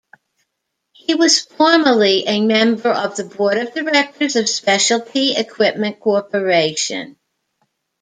He was formerly a member of the board of directors of Specialty Equipment Corporation.